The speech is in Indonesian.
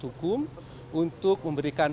hukum untuk memberikan